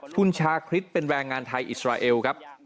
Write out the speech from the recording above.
คุณชาคริสเป็นแรงงานไทยอิสราเอลครับ